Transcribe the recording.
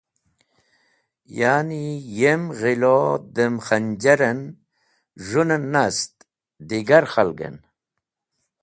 Ya’ni yem ghilo dem khanjar en z̃hũnen nast, digar khalgen.”